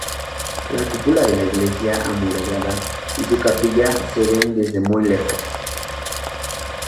La cúpula de la iglesia amurallada y su capilla se ven desde muy lejos.